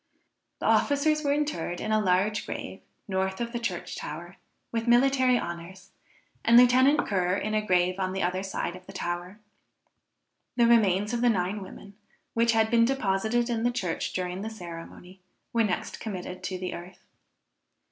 The officers were interred in a large grave, north of the church tower, with military honors, and Lieutenant Ker in a grave on the other side of the tower. The remains of the nine women, which had been deposited in the church during the ceremony, were next committed to the earth.